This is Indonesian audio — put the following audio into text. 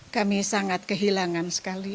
kami sangat kehilangan sekali